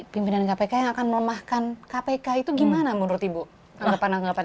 pimpinan kpk yang akan melemahkan kpk itu gimana menurut ibu anggapan anggapan